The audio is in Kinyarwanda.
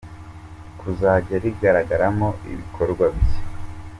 kuzajya rigaragaramo ibikorwa bye.